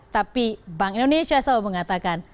tapi bank indonesia selalu mengatakan